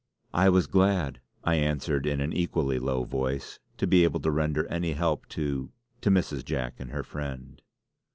"I was glad," I answered in an equally low voice, "to be able to render any help to to Mrs. Jack and her friend."